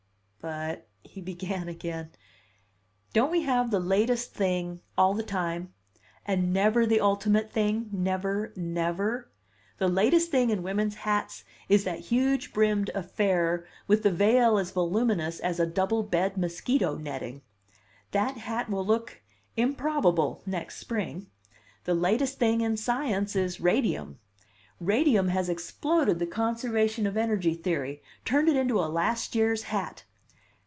"But " he began again. "Don't we have the 'latest thing' all the time, and never the ultimate thing, never, never? The latest thing in women's hats is that huge brimmed affair with the veil as voluminous as a double bed mosquito netting. That hat will look improbable next spring. The latest thing in science is radium. Radium has exploded the conservation of energy theory turned it into a last year's hat.